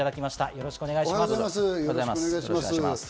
よろしくお願いします。